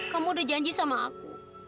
kamu udah janji sama aku